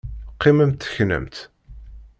Qqimemt teknamt!